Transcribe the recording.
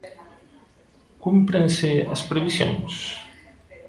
Cúmprense as previsións?